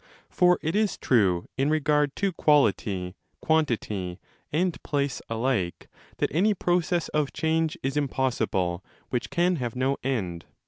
For it is true in regard to quality, quantity, and place alike that any process of change is 15 impossible which can have no end.